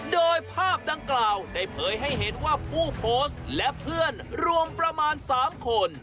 โดยภาพดังกล่าวได้เผยให้เห็นว่าผู้โพสต์และเพื่อนรวมประมาณ๓คน